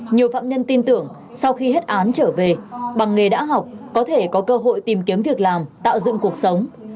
nhiều phạm nhân tin tưởng sau khi hết án trở về bằng nghề đã học có thể có cơ hội tìm kiếm việc làm tạo dựng cuộc sống